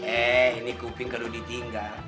eh ini kuping kalau ditinggal